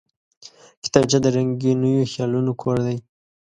کتابچه د رنګینو خیالونو کور دی